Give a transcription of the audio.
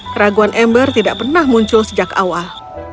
keraguan ember tidak pernah muncul sejak awal